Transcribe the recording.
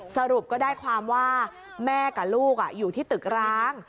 สรุปก็ได้ความว่าแม่กับลูกอยู่ที่ตึกร้าง